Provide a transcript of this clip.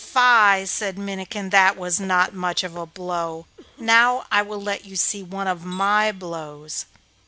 'Fie!' said Minnikin. 'That was not much of a blow. Now I will let you see one of my blows.